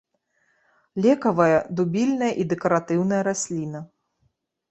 Лекавая, дубільная і дэкаратыўная расліна.